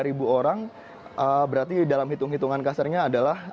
lima ribu orang berarti dalam hitung hitungan kasarnya adalah